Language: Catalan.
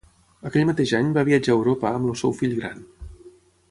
Aquell mateix any va viatjar a Europa amb el seu fill gran.